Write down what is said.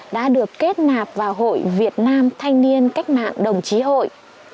đã được kết nạp vào hội việt nam thanh niên cách mạng đồng chí hội